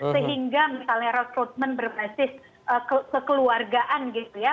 sehingga misalnya rekrutmen berbasis kekeluargaan gitu ya